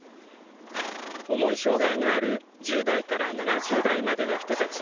重い障害のある１０代から７０代までの人たち